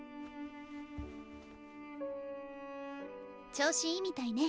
調子いいみたいね。